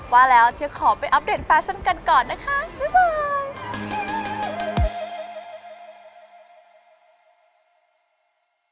ว่าแล้วเธอขอไปอัปเดตแฟชั่นกันก่อนนะคะบ๊ายบาย